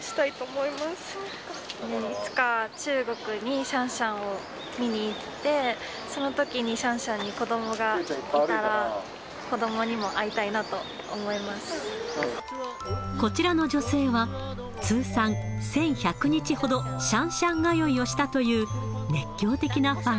いつか、中国にシャンシャンを見に行って、そのときにシャンシャンに子どもがいたら、子どもにも会いたいなこちらの女性は、通算１１００日ほどシャンシャン通いをしたという、熱狂的なファン。